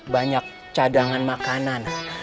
banyak cadangan makanan